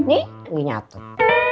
nih udah nyatut